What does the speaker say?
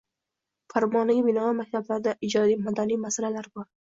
Famoniga binoan maktablarda ijodiy-madaniy masalalar bor.